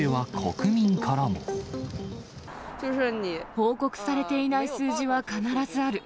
報告されていない数字は必ずある。